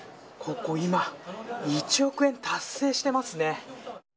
今、１億円達成してますね。